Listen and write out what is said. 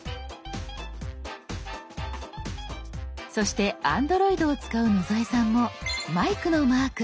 そしてＡｎｄｒｏｉｄを使う野添さんもマイクのマーク。